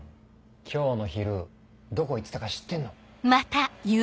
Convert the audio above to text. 今日の昼どこ行ってたか知ってんの？